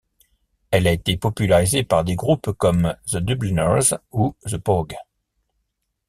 Elle été popularisée par des groupes comme The Dubliners ou The Pogues.